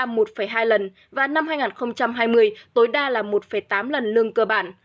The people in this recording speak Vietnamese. năm hai nghìn hai mươi tối đa là một hai lần và năm hai nghìn hai mươi tối đa là một tám lần lương cơ bản